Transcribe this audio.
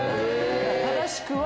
正しくは。